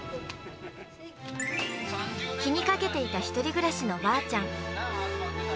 気にかけていた１人暮らしのおばあちゃん。